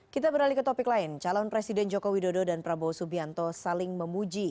kita beralih ke topik lain calon presiden joko widodo dan prabowo subianto saling memuji